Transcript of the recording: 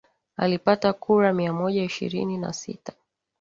Alipata kura mia moja ishirini na sita